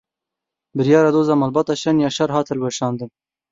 Biryara doza malbata Şenyaşar hat hilweşandin.